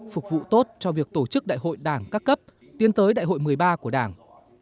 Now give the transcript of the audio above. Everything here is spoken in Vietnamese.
phục vụ tốt cho việc tổ chức đại hội đảng các cấp tiến tới đại hội một mươi ba của đảng